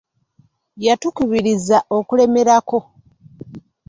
Yatukubiriza okulemerako.